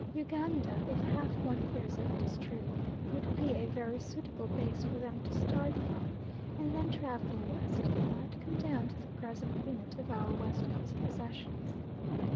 Uganda, if half one hears of it is true, would be a very suitable base for them to start from, and then travelling west they might come down to the present limit of our West Coast possessions.